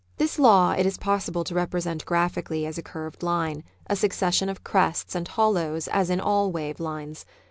This law it is possible to represent graphically as a curved line; a succession of crests and hollows as in all wave lines.